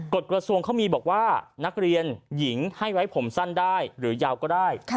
กฎกระทรวงเขามีบอกว่านักเรียนหญิงให้ไว้ผมสั้นได้หรือยาวก็ได้